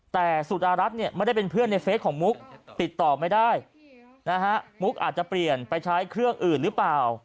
แต่สุดารัฐเนี่ยไม่ได้เป็นเพื่อนในเฟสของมุกติดต่อไม่ได้นะฮะมุกอาจจะเปลี่ยนไปใช้เครื่องอื่นหรือเปล่า